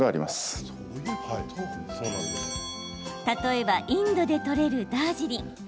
例えばインドで取れるダージリン。